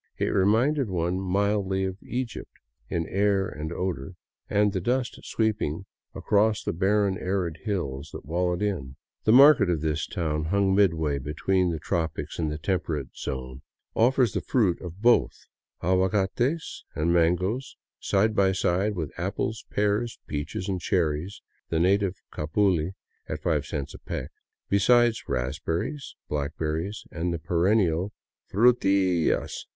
It reminded one mildly of Egypt, in air and odor, and the dust sweeping across from the barren, arid hills that wall it in. The market of this town, hung midway between the tropics and the temperate zone, offers the fruits of both — aguacates and mangoes side by side with apples, pears, peaches, and cherries — the native capuli, at five cents a peck — beside raspberries and black berries, and the perennial " f ru u u till a a as